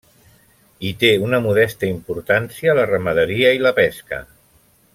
Hi té una modesta importància la ramaderia i la pesca.